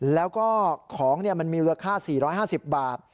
แล้วก็ของมันมีมูลค่า๔๕๐บาท